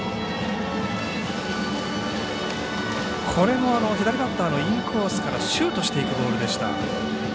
これも左バッターのインコースからシュートしていくボールでした。